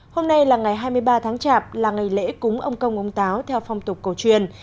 hôm nay là ngày hai mươi ba tháng chạp là ngày lễ cúng ông công ông táo theo phong tục cổ truyền